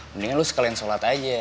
mendingan lu sekalian sholat aja